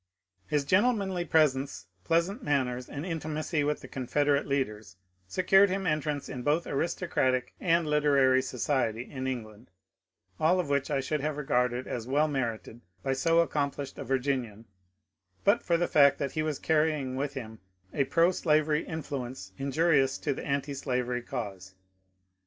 His gentlemanly presence, pleasant manners, and intimacy with the Confederate leaders secured him entrance in both aristocratic and literary society in England, all of which I should have regarded as well merited by so accomplished a Virginian but for the fact that he was carrying with him a proslavery infiuence injurious to the antialavery cause.